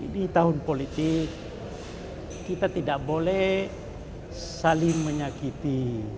di tahun politik kita tidak boleh saling menyakiti